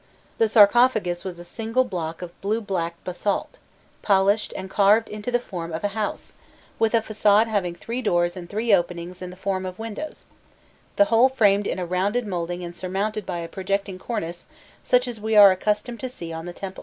The sarcophagus was a single block of blue black basalt, polished, and carved into the form of a house, with a façade having three doors and three openings in the form of windows, the whole framed in a rounded moulding and surmounted by a projecting cornice such as we are accustomed to see on the temples.